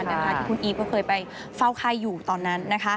ที่คุณอีกเคยไปเฝ้าใครอยู่ตอนนั้น